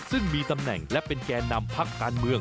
ซึ่งมีตำแหน่งและเป็นแก่นำพักการเมือง